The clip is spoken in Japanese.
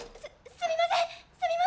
すみません！